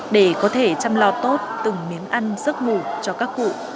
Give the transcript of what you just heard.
để có thể chăm lo tốt từng miếng ăn giấc ngủ cho các cụ